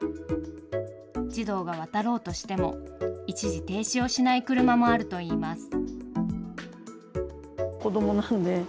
児童が渡ろうとしても一時停止をしない車もあるといいます。